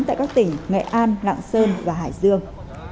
tại các tỉnh nghệ an lạng sơn và hải dương